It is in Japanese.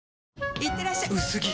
いってらっしゃ薄着！